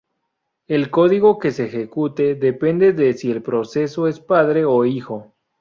El código que se ejecute depende de si el proceso es "padre" o "hijo".